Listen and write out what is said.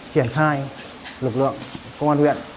triển khai lực lượng công an huyện